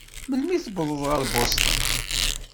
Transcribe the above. Melmi tewwḍeḍ ɣer Boston?